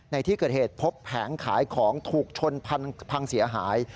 ในที่เกิดเหตุพบแผงขายของถูกชนพังเสียหาย